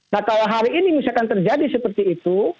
nah kalau hari ini misalkan terjadi seperti itu